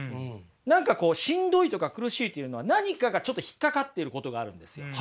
何かしんどいとか苦しいというのは何かがちょっと引っかかっていることがあるんですよ。